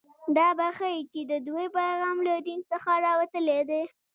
دا به ښيي چې د دوی پیغام له دین څخه راوتلی دی